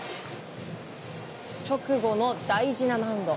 直後の大事なマウンド。